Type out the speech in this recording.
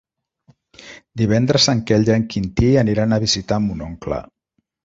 Divendres en Quel i en Quintí aniran a visitar mon oncle.